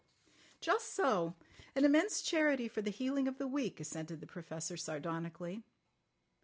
"Just so. An immense charity for the healing of the weak," assented the Professor sardonically.